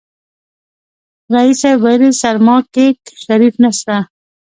ريس صيب ويلې سرماکيک شريف نسته.